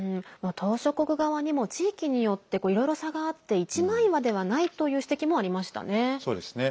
島しょ国側にも地域によっていろいろ差があって一枚岩ではないという指摘もありましたね。